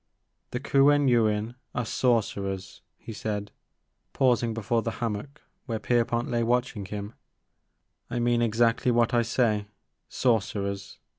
The Kuen Yuin are sorcerers," he said, pausing before the hammock where Kerpont lay watching him ;*' I mean exactly what I say, — sorcerers.